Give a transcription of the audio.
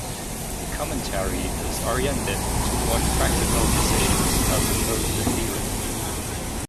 The commentary is oriented toward practical decisions as opposed to theory.